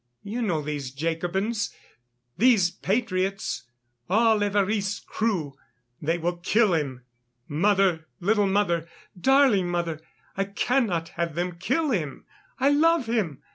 You know these Jacobins, these patriots, all Évariste's crew. They will kill him. Mother, little mother, darling mother, I cannot have them kill him. I love him!